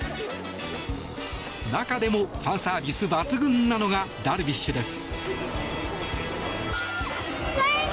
中でもファンサービス抜群なのがダルビッシュです。